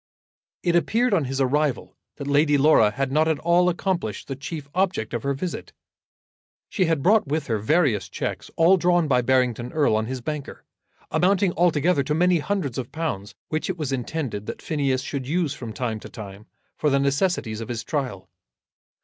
It appeared on his arrival that Lady Laura had not at all accomplished the chief object of her visit. She had brought with her various cheques, all drawn by Barrington Erle on his banker, amounting altogether to many hundreds of pounds, which it was intended that Phineas should use from time to time for the necessities of his trial.